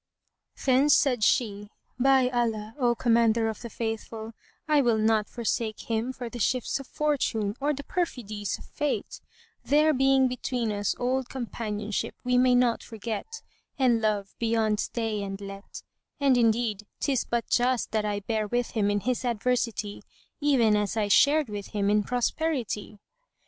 Then said she, "By Allah, O Commander of the Faithful, I will not forsake him for the shifts of Fortune or the perfidies of Fate, there being between us old companionship we may not forget, and love beyond stay and let; and indeed 'tis but just that I bear with him in his adversity, even as I shared with him in prosperity."